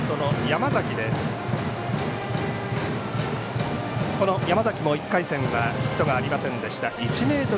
山崎も１回戦はヒットがありませんでした。